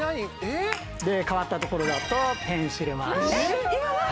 えっ？で変わったところだとペンシルまわし。